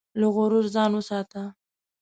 له غرور ځان وساته.